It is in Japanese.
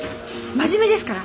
真面目ですから。